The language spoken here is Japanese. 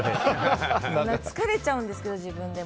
疲れちゃうんですけど、自分でも。